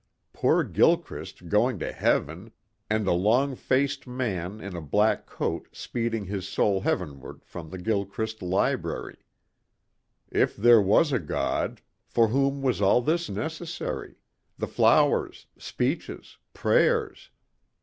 Poor Gilchrist going to heaven and a long faced man in a black coat speeding his soul heavenward from the Gilchrist library! If there was a God, for whom was all this necessary the flowers, speeches, prayers?